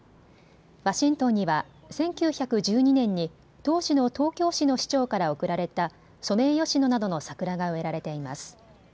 ワシントンには１９１２年に当時の東京市の市長から贈られたソメイヨシノなどの桜が植えられています。